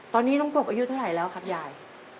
ตอนนี้น้องกบอายุเท่าไหร่แล้วครับยาย